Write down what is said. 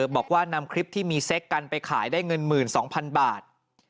บอกว่านำคลิปที่มีเซ็กกันไปขายได้เงิน๑๒๐๐๐บาท